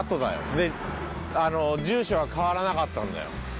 で住所は変わらなかったんだよ。